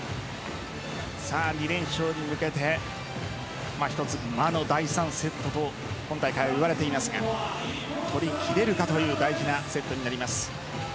２連勝に向けて一つ、魔の第３セットと今大会、いわれていますが取りきれるかという大事なセットになります。